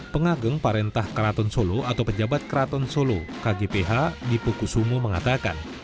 pengageng parentah keraton solo atau pejabat keraton solo kgph dipo kusumo mengatakan